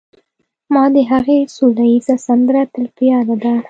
ما د هغې سوله ييزه سندره تل په ياد ده